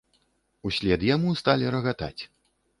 Услед яму сталі рагатаць.